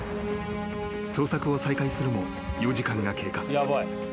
［捜索を再開するも４時間が経過］